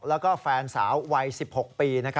แล้วก็แฟนสาววัย๑๖ปี